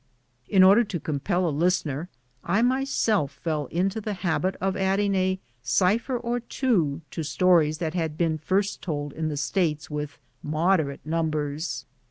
In order to compel a listener, I myself fell into the habit of adding a cipher or two to stories that had been first told in the States with moderate numbers.